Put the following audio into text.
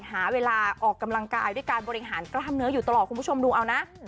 หาเวลาออกกำลังกายด้วยการบริหารกล้ามเนื้ออยู่ตลอดคุณผู้ชมดูเอานะ